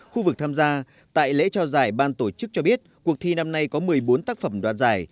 khu vực tham gia tại lễ trao giải ban tổ chức cho biết cuộc thi năm nay có một mươi bốn tác phẩm đoạt giải